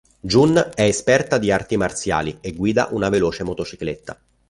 Jun è esperta di arti marziali e guida una veloce motocicletta.